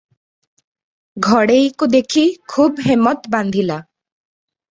ଘଡ଼େଇକୁ ଦେଖି ଖୁବ୍ ହେମତ୍ ବାନ୍ଧିଲା ।